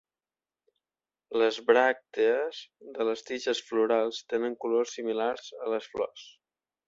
Les bràctees de les tiges florals tenen colors similars a les flors.